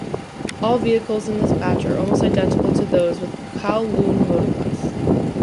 All vehicles in this batch are almost identical to those with Kowloon Motor Bus.